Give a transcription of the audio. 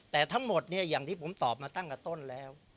แต่ทั้งหมดเนี่ยอย่างที่ผมตอบมาตั้งแต่ต้นแล้ว